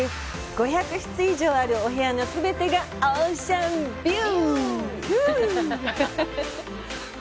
５００室以上あるお部屋の全てがオーシャンビュー！